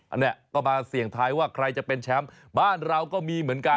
อันนี้ก็มาเสี่ยงท้ายว่าใครจะเป็นแชมป์บ้านเราก็มีเหมือนกัน